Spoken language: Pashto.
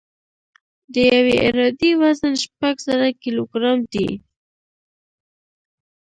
د یوې عرادې وزن شپږ زره کیلوګرام دی